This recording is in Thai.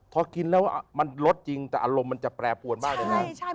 พอกินแล้วมันรสจริงแต่อารมณ์มันจะแปรปวนมากเลยนะ